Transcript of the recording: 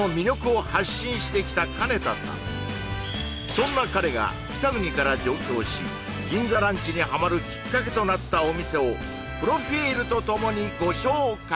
そんな彼が北国から上京し銀座ランチにハマるキッカケとなったお店をプロフィールと共にご紹介